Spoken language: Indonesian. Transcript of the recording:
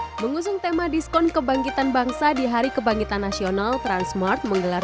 hai mengusung tema diskon kebangkitan bangsa di hari kebangkitan nasional transmart menggelar